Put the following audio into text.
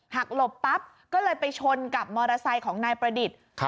หลบปั๊บก็เลยไปชนกับมอเตอร์ไซค์ของนายประดิษฐ์